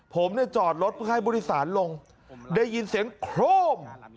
ผมเนี่ยจอดรถภายบุติศาลลงได้ยินเสียงโคร่ม